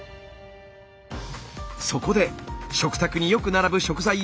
そこで食卓によく並ぶ食材を徹底分析。